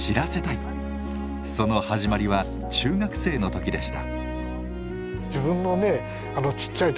その始まりは中学生の時でした。